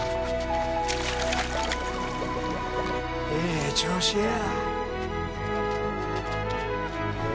ええ調子や。